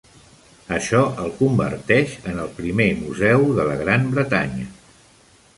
Això el converteix en el primer museu de la Gran Bretanya.